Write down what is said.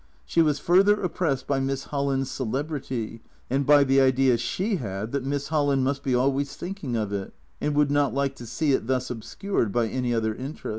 She was further oppressed by Miss Holland's celebrity, and by the idea she had that Miss Holland must be always thinking of it and would not like to see it thus obscured by any other interest.